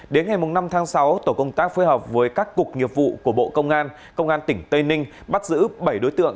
đến ngày năm tháng sáu tổ công tác phối hợp với các cục nghiệp vụ của bộ công an công an tỉnh tây ninh bắt giữ bảy đối tượng